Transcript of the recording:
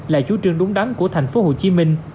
là chú trương đúng đắn của thành phố hồ chí minh